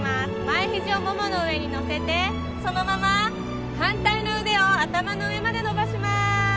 前肘をももの上に乗せてそのまま反対の腕を頭の上まで伸ばします